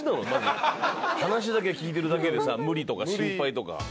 話だけ聞いてるだけでさ無理とか心配とか。